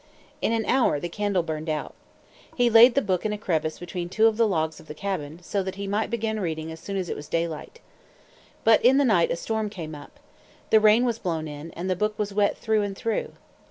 In an hour the candle burned out. He laid the book in a crevice between two of the logs of the cabin, so that he might begin reading again as soon as it was daylight. But in the night a storm came up. The rain was blown in, and the book was wet through and through.